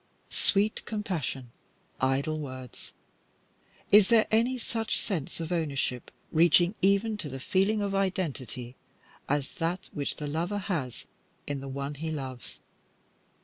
Sweet compassion! Idle words! Is there any such sense of ownership, reaching even to the feeling of identity, as that which the lover has in the one he loves?